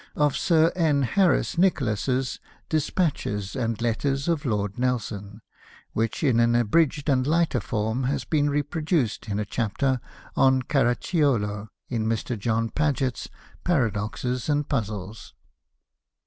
of Sir N. Harris Nicolas's " Dispatches and Letters of Lord Nelson," which in an abridged and Hghter form has been reproduced in a chapter on Caracciolo in Mr. John Paget's " Paradoxes and Puzzles."